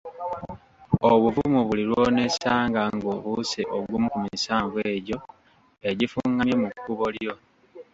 Obuvumu buli lw'oneesanga ng'obuuse ogumu ku misanvu egyo egifungamye mu kkubo lyo.